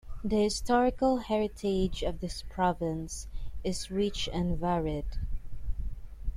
The historical heritage of this province is rich and varied.